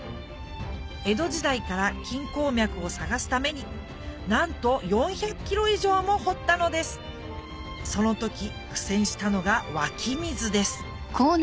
江戸時代から金鉱脈を探すためになんと４００ｋｍ以上も掘ったのですその時苦戦したのが湧き水です